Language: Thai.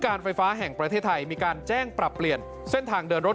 การไฟฟ้าแห่งประเทศไทยมีการแจ้งปรับเปลี่ยนเส้นทางเดินรถ